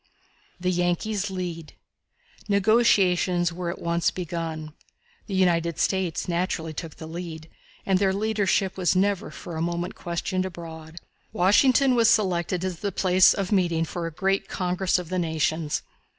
The Yankees Lead. Negotiations were at once begun. The United States naturally took the lead, and their leadership was never for a moment questioned abroad. Washington was selected as the place of meeting for a great congress of the nations.